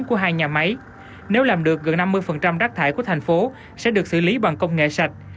của hai nhà máy nếu làm được gần năm mươi rác thải của thành phố sẽ được xử lý bằng công nghệ sạch